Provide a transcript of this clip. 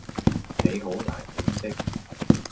你好大懵即